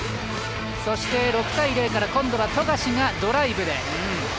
そして６対０から今度は富樫がドライブで。